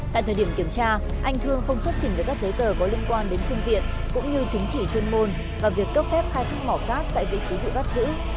tại thời điểm kiểm tra anh thương không xuất trình được các giấy tờ có liên quan đến phương tiện cũng như chứng chỉ chuyên môn và việc cấp phép khai thác mỏ cát tại vị trí bị bắt giữ